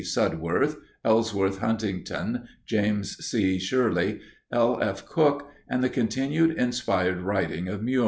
Sudworth, Ellsworth Huntington, James C. Shirley, L. F. Cook, and the continued inspired writing of Muir.